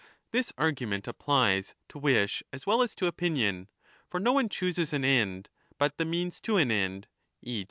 This argument applies to wish as well as to opinion ; for no on£ chooses an end, but the means to an end, e.